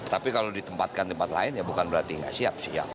tapi kalau ditempatkan di tempat lain ya bukan berarti nggak siap siang